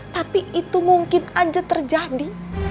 tapi itu mungkin aja terjadi